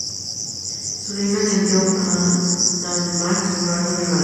Suleiman le envió a Tahmasp numerosos regalos.